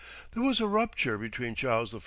There was a rupture between Charles I.